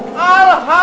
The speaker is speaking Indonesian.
ntar sholatnya gak sah